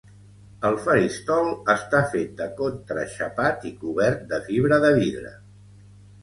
El Faristol està fet de contraxapat i cobert de fibra de vidre.